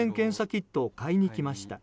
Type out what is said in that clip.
キットを買いに来ました。